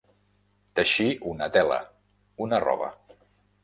Teixir una tela, una roba.